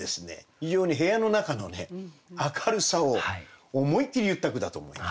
非常に部屋の中のね明るさを思いっきり言った句だと思いました。